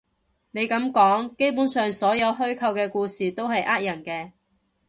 你噉講，基本上所有虛構嘅故事都係呃人嘅